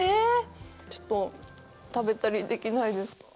ちょっと食べたりできないですか。